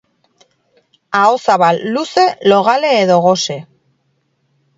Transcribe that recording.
Ahozabal luze logale edo gose.